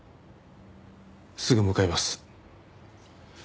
すぐ向かいます。